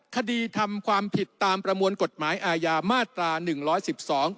คดีทำความผิดตามประมวลกฎหมายอาญามาตราหนึ่งร้อยสิบสอง